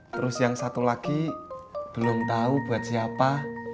terus yang satu lagi belum tahu buat siapa